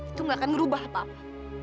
itu gak akan ngerubah apa apa